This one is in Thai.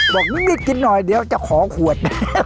บอกนิดกินหน่อยเดี๋ยวจะขอขวด